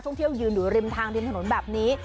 เที่ยวยืนอยู่ริมทางริมถนนแบบนี้